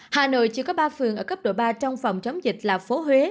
hà nội chỉ có ba phường ở cấp độ ba trong phòng chống dịch là phố huế